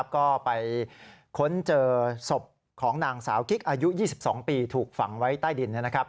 ก็ไปค้นเจอศพของนางสาวกิ๊กอายุ๒๒ปีถูกฝังไว้ใต้ดิน